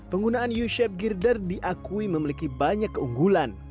penggunaan u shape girder diakui memiliki banyak keunggulan